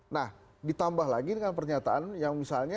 nah ditambah lagi dengan pernyataan yang misalnya